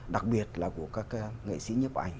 đặc biệt là của các nghệ sĩ nhấp ảnh